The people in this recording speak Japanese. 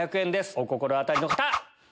お心当たりの方！